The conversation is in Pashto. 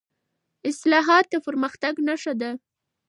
اصلاحات د پرمختګ نښه ده